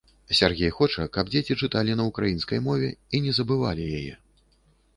Сяргей хоча, каб дзеці чыталі на ўкраінскай мове і не забывалі яе.